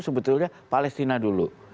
sebetulnya palestina dulu